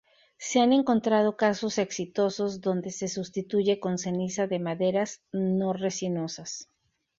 Se han encontrado casos exitosos donde se sustituye con ceniza de maderas no resinosas.